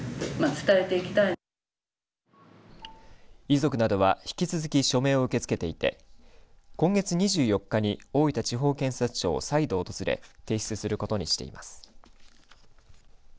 遺族などは、引き続き署名を受け付けていて今月２４日に大分地方検察庁を再度訪れ提出することにしています。